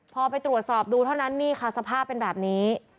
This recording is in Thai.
พอไปตรวจสอบดูเท่านั้นนี่ค่ะสภาพเป็นแบบนี้